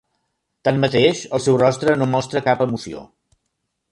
Tanmateix, el seu rostre no mostra cap emoció.